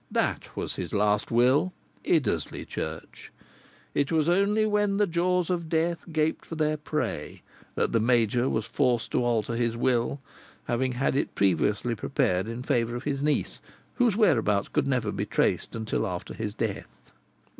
that was his last will Iddesleigh Church. It was only when the jaws of death gaped for their prey that the major was forced to alter his will, having had it previously prepared in favour of his niece, whose whereabouts could never be traced until after his death."